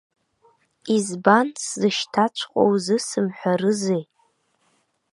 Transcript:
Избан, сзышьҭаҵәҟьоу зысымҳәарызеи?